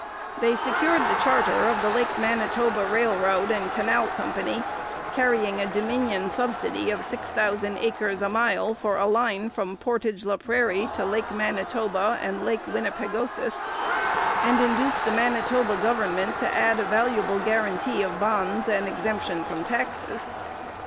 They secured the charter of the Lake Manitoba Railroad and Canal Company, carrying a Dominion subsidy of 6000 acres a mile for a line from Portage la Prairie to Lake Manitoba and Lake Winnipegosis, and induced the Manitoba government to add a valuable guarantee of bonds and exemption from taxes.